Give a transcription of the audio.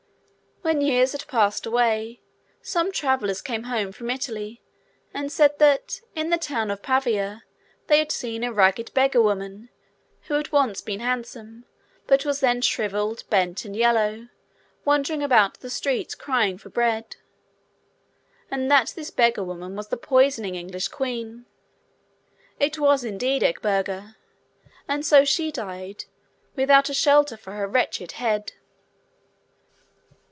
When years had passed away, some travellers came home from Italy, and said that in the town of Pavia they had seen a ragged beggar woman, who had once been handsome, but was then shrivelled, bent, and yellow, wandering about the streets, crying for bread; and that this beggar woman was the poisoning English queen. It was, indeed, Edburga; and so she died, without a shelter for her wretched head.